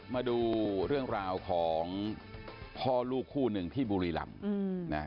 มาดูเรื่องราวของพ่อลูกคู่หนึ่งที่บุรีรำนะ